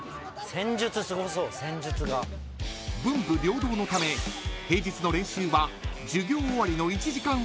［文武両道のため平日の練習は授業終わりの１時間半のみと］